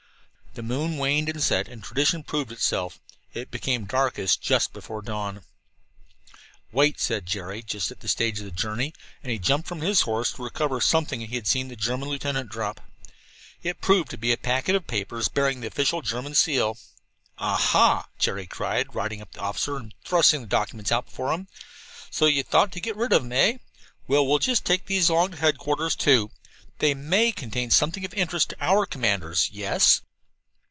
The moon waned and set, and tradition proved itself it became darkest just before dawn. "Wait!" said Jerry, just at this stage of the journey, and he jumped from his horse to recover something that he had seen the German lieutenant drop. It proved to be a packet of papers, bearing the official German army seal. "Ah ha!" Jerry cried, riding up to the officer and thrusting the documents out before him. "So you thought to get rid of them, eh? Well, we'll just take these along to headquarters, too. They may contain something of interest to our commanders. Yes?"